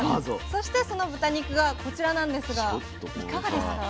そしてその豚肉がこちらなんですがいかがですか？